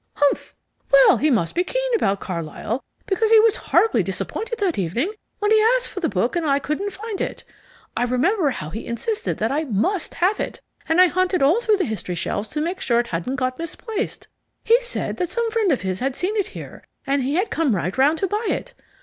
"Humph! Well, he must be keen about Carlyle, because he was horribly disappointed that evening when he asked for the book and I couldn't find it. I remember how he insisted that I MUST have it, and I hunted all through the History shelves to make sure it hadn't got misplaced. He said that some friend of his had seen it here, and he had come right round to buy it.